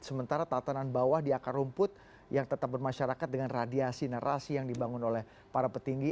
sementara tatanan bawah di akar rumput yang tetap bermasyarakat dengan radiasi narasi yang dibangun oleh para petinggi